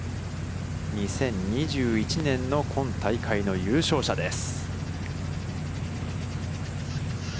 ２０２１年の今大会の優勝者です。